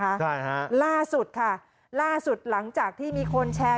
ใช่ฮะล่าสุดค่ะล่าสุดหลังจากที่มีคนแชร์